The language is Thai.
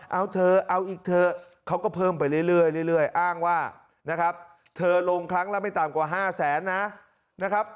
เอาเธอเอาอีกเธอเขาก็เพิ่มไปเรื่อยอ้างว่าเธอลงครั้งแล้วไม่ตามกว่า๕แสนนะ